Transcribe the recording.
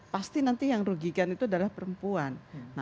pasti nanti yang rugikan itu adalah perempuan